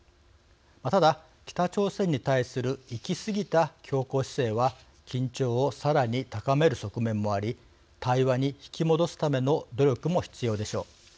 ただ北朝鮮に対する行き過ぎた強硬姿勢は緊張をさらに高める側面もあり対話に引き戻すための努力も必要でしょう。